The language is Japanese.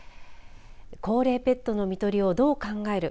高齢ペットの看取りをどう考える。